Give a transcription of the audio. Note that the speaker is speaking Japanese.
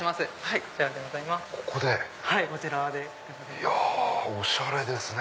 いやおしゃれですね。